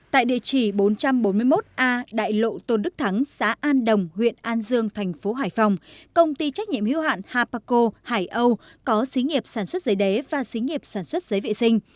tại địa chỉ bốn trăm bốn mươi một a đại lộ tôn đức thắng xã an đồng huyện an dương thành phố hải phòng công ty trách nhiệm hiếu hạn hapaco hải âu có xí nghiệp sản xuất giấy đế và xí nghiệp sản xuất giấy vệ sinh